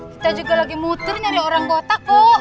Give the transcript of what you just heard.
kita juga lagi muter nyari orang botak pok